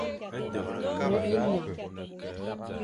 Wôkh ényan.